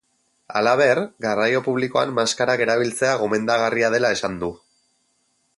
Halaber, garraio publikoan maskarak erabiltzea gomendagarria dela esan du.